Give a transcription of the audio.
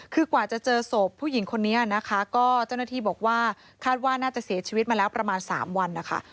คือกว่าจะเจอศพผู้หญิงคนนี้นะคะก็เจ้าหน้าที่บอกว่าคาดว่าน่าจะเสียชีวิตมาแล้วประมาณ๓วันนะคะ